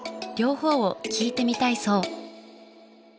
両方を聞いてみたいそう。